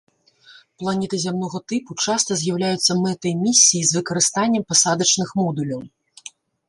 Планеты зямнога тыпу часта з'яўляюцца мэтай місій з выкарыстаннем пасадачных модуляў.